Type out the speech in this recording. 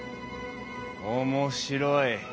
面白い。